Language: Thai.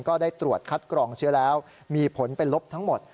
ก็ได้ตรวจคัดกรองเชื้อแล้วมีผลเป็นลบทั้งหมด